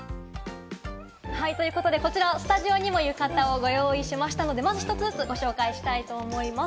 はい、ということでこちらスタジオにも浴衣をご用意しましたので、まず１つずつご紹介したいと思います。